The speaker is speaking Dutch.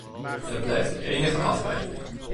Het blijft de enige afwijking.